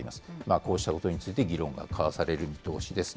こうしたことについて議論が交わされる見通しです。